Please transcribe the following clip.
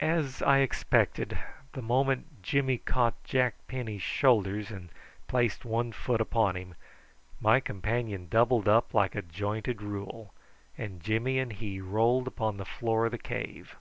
As I expected, the moment Jimmy caught Jack Penny's shoulders and placed one foot upon him my companion doubled up like a jointed rule, and Jimmy and he rolled upon the floor of the cave.